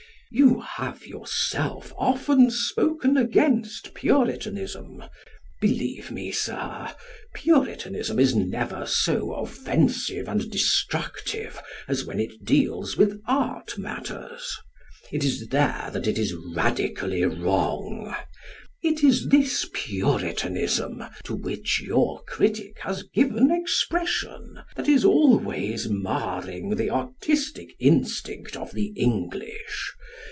You have yourself often spoken against Puritanism. Believe me, Sir, Puritanism is never so offensive and destructive as when it deals with art matters. It is there that it is radically wrong. It is this Puritanism, to which your critic has given expression, that is always marring the artistic instinct of the English.